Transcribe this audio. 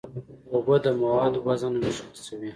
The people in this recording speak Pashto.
اوبه د موادو وزن مشخصوي.